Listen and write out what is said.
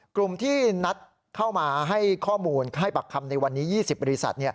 กลุ่มที่นัดเข้ามาให้ข้อมูลให้ปักคำในวันนี้๒๐บริษัท